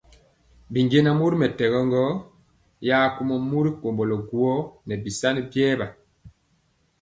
Binjɛnaŋ mori mɛtɛgɔ gɔ ya kumɔ mori komblo guó nɛ bisani biewa.